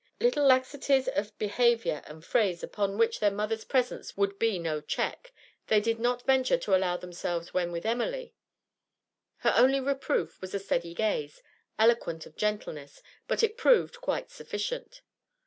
Little laxities of behaviour arid phrase upon which their mother's presence would be no check, they did not venture to allow themselves when with Emily; her only reproof was a steady gaze, eloquent of gentleness, but it proved quite sufficient.